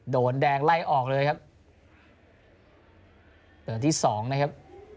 โดนแดงไล่ออกเลยครับตัวที่สองนะครับ